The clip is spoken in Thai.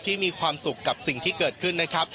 มีความสุขกับสิ่งที่เกิดขึ้นนะครับ